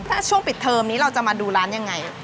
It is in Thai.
ถ้าช่วงปิดเทอมนี้เราจะมาดูร้านยังไง